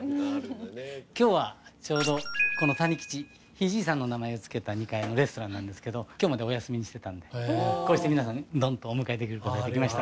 今日はちょうどこの他人吉ひいじいさんの名前を付けた２階のレストランなんですけど今日までお休みにしてたんでこうして皆さんドンとお迎えできることができました